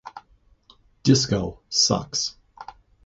Disco sucks.